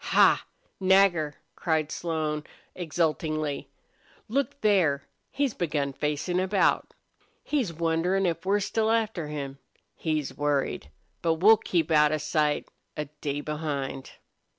"Ha, Nagger!" cried Slone, exultingly. "Look there! He's begun facin' about. He's wonderin' if we're still after him. He's worried. ... But we'll keep out of sight a day behind."